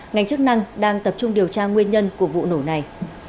ngành chức năng đang tập trung điều tra nguyên nhân của vụ nổ này